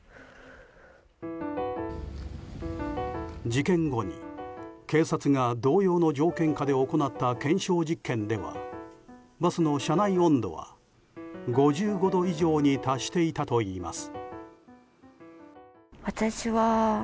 事件後に警察が同様の条件下で行った検証実験ではバスの車内温度は、５５度以上に達していたといいます。